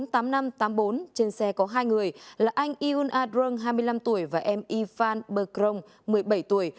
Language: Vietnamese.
trên xe có hai người là anh iun a drong hai mươi năm tuổi và em yifan berkong một mươi bảy tuổi